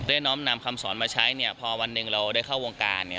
เรียนอ้อมนามคำสอนมาใช้เนี้ยพอวันหนึ่งเราได้เข้าวงการเนี้ย